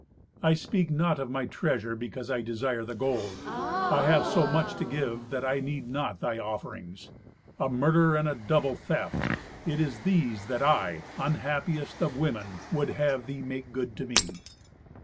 "I speak not of my treasure, because I desire the gold. I have so much to give that I need not thy offerings. A murder and a double theft—it is these that I, unhappiest of women, would have thee make good to me."